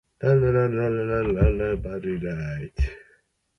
But something isn't quite right.